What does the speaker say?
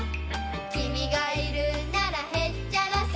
「君がいるならへっちゃらさ」